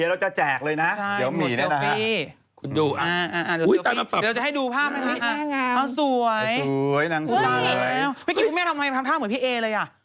เมื่อกี๊พูดแม่ทำพังทางเหมือนพี่เอเลยอะ